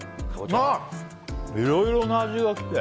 いろいろな味が来て。